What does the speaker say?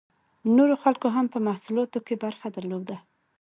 نورو خلکو هم په محصولاتو کې برخه درلوده.